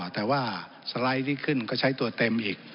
แต่ว่าสไลด์ที่ขึ้นก็ใช้ตัวเต็มอีก